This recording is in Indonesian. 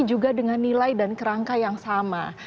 juga dengan nilai dan kerangka yang sama